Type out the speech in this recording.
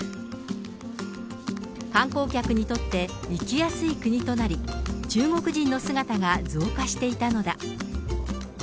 観光客にとって行きやすい国となり、中国人の姿が増加していたのだ。